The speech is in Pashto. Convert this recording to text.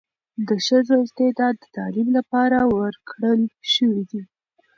د ښځو استعداد د تعلیم لپاره ورکړل شوی دی.